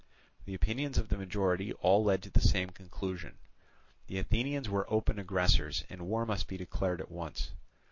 The opinions of the majority all led to the same conclusion; the Athenians were open aggressors, and war must be declared at once.